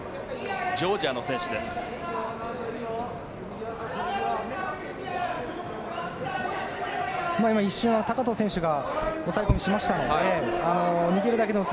ジョージアの選手です。